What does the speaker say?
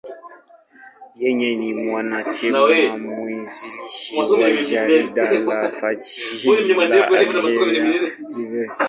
Yeye ni mwanachama mwanzilishi wa jarida la fasihi la Algeria, L'Ivrescq.